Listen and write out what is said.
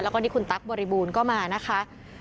แล้วก็นี่คุณตั๊กบริบูรณ์ก็มานะคะ